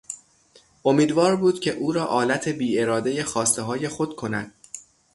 امیدوار بود که او را آلت بیارادهی خواستههای خود کند.